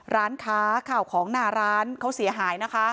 ร้านค้าข่าวของหน้าร้านเขาเสียหายนะคะ